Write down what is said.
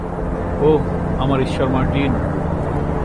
ওহ, আমার ঈশ্বর মার্টিন।